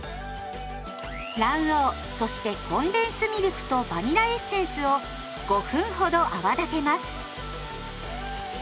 卵黄そしてコンデンスミルクとバニラエッセンスを５分ほど泡立てます。